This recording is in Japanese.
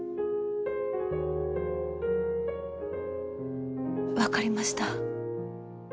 分かりました。